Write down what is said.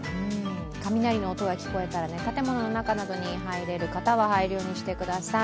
雷の音が聞こえたら建物の中に入れる方は、入るようにしてください。